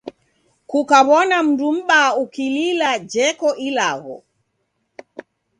Kukawona mndu mbaa ukilila jeko ilagho.